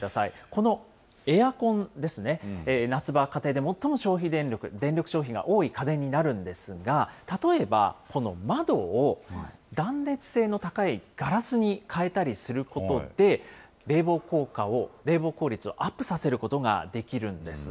このエアコンですね、夏場、家庭で消費電力、最も電力消費が多い家電になるんですが、例えば、この窓を断熱性の高いガラスに変えたりすることで、冷房効果を、冷房効率をアップさせることができるんです。